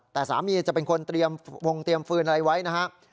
แต่สามีจะเป็นคนเตรียมวงเตรียมฟืนอะไรไว้นะครับ